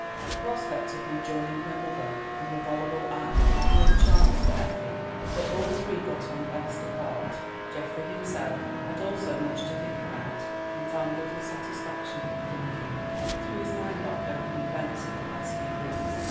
The prospect of rejoining her mother and the voluble Anne had no charms for Effie. They all three got on best apart. Geoffrey himself had also much to think about, and found little satisfaction in the thinking. He threw his mind back over the events of the past few weeks.